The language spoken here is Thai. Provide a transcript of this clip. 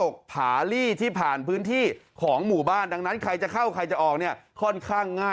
กลัวอย่างไรพูดให้พี่ฟัง